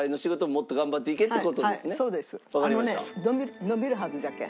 あのね伸びるはずじゃけん。